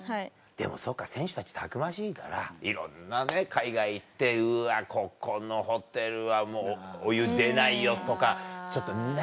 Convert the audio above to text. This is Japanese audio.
でもそうか選手たちたくましいからいろんなね海外行って「うわここのホテルはもうお湯出ないよ」とか「ちょっと何？